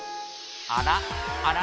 あら？